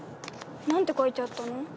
何て書いてあったの？